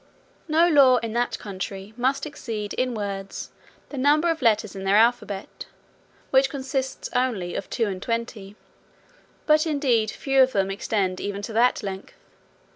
No law in that country must exceed in words the number of letters in their alphabet, which consists only of two and twenty. But indeed few of them extend even to that length.